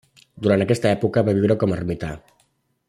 Durant aquesta època va viure com a ermità.